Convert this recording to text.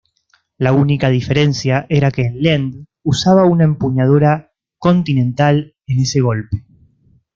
La única diferencia era que Lendl usaba una empuñadura ""continental"" en ese golpe.